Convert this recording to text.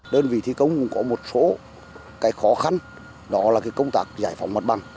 đơn vị thi công cũng có một số khó khăn đó là công tác giải phóng mặt bằng